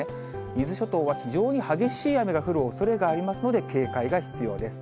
伊豆諸島は非常に激しい雨が降るおそれがありますので、警戒が必要です。